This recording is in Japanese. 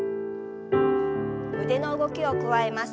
腕の動きを加えます。